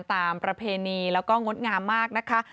ประเพณีแล้วก็งดงามมากนะคะ